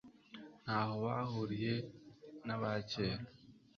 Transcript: ntaho bahuriye nabakera